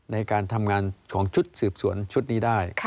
ในการทำงานของชุดสืบสวนชุดนี้ได้